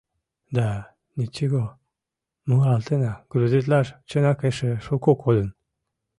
— Да... ничего.... муралтена... грузитлаш, чынак, эше шуко кодын.